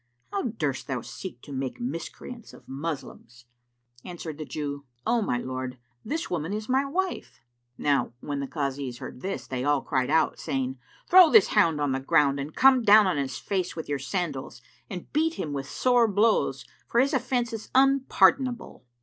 How durst thou seek to make miscreants of Moslems?" Answered the Jew, "O my lord this woman is my wife." Now when the Kazis heard this, they all cried out, saying, "Throw this hound on the ground and come down on his face with your sandals and beat him with sore blows, for his offence is unpardonable."